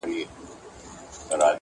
خپل گور هر چا ته تنگ ښکاري.